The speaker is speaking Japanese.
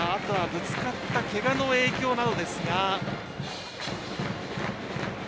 ぶつかったけがの影響などですが。